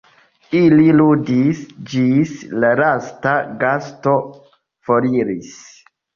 Ili ludis, ĝis la lasta gasto foriris.